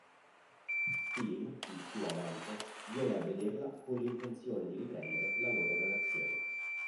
Steele, il suo amante, viene a vederla con l'intenzione di riprendere la loro relazione.